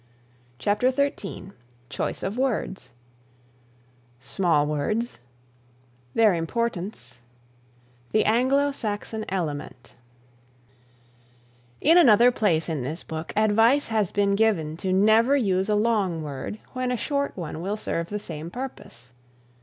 CHAPTER XIII CHOICE OF WORDS Small Words Their Importance The Anglo Saxon Element In another place in this book advice has been given to never use a long word when a short one will serve the same purpose.